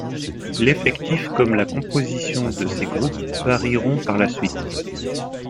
L'effectif comme la composition de ses groupes varieront par la suite.